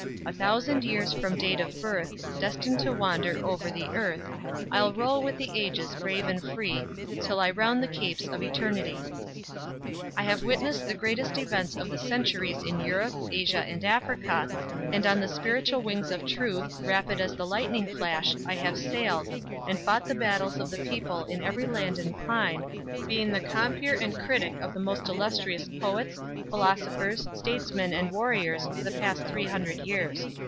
A thousand years from date of birth, Destined to wander over the earth, I'll roll with the ages brave and free, Till I round the capes of eternity!_ I have witnessed the greatest events of the centuries in Europe, Asia and Africa, and on the spiritual wings of Truth, rapid as the lightning flash, I have sailed; and fought the battles of the people in every land and clime, being the compeer and critic of the most illustrious poets, philosophers, statesmen and warriors for the past three hundred years.